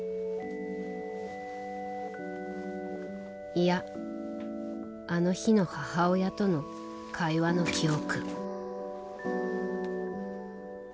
いや、あの日の母親との会話の記憶。